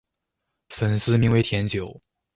粉丝名为甜酒。